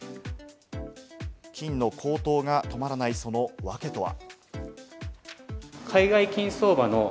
金の高騰が止まらない、その訳とは？